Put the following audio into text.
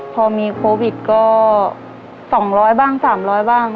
พอมีโควิดก็สองร้อยบ้างสามร้อยบ้าง